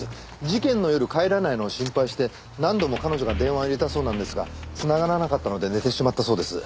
事件の夜帰らないのを心配して何度も彼女が電話を入れたそうなんですが繋がらなかったので寝てしまったそうです。